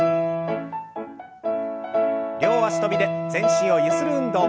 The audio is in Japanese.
両脚跳びで全身をゆする運動。